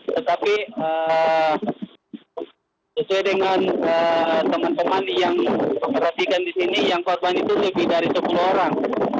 tetapi sesuai dengan teman teman yang memperhatikan di sini yang korban itu lebih dari sepuluh orang